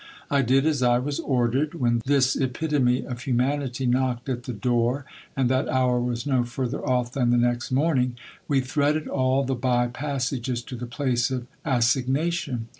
I did as I was ordered. When this epitome of humanity knocked at the door, and that hour was no further off than the next morning, we threaded all the bye passages to the place of assign ation.